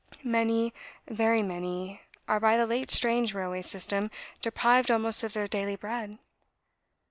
Many, very many, are by the late strange railway system deprived almost of their daily bread.